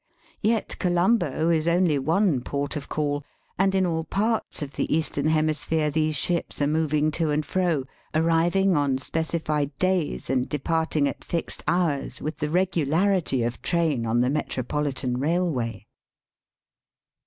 Yet Colombo is only one port of call, and in all parts of the Eastern hemisphere these ships are moving to and fro, arriving on specified days and departing at fixed hours with the regularity of train on the Metropolitan Eailway.